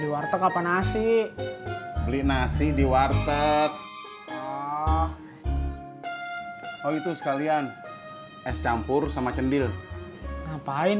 di warteg apa nasi beli nasi di warteg oh itu sekalian es campur sama cendil ngapain